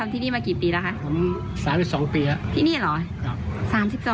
ที่สุดท้ายช่วงสุขก็คื้องานบรรยากาศ